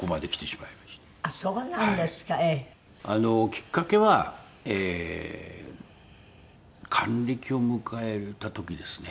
きっかけは還暦を迎えた時ですね。